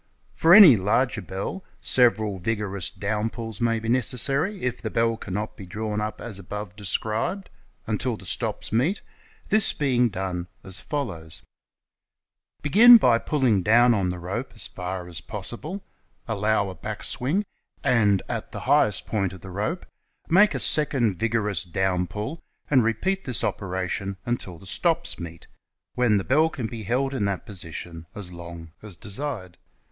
For any larger bell several vigorous DOWN PLILLS may be necessary, if the bell cannot be drawn up as above described, until tlic "STOPS" meet, this being done as follows: Begin b) ])ulling down on the rope as far as possible, allow a back swing and at the highest point of the rojje make a second \'igorous down pull and repeat this operation until the "STOPS" meet, when the bell can be held in that position as long as desired.